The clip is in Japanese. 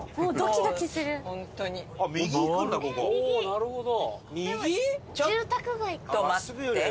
なるほど。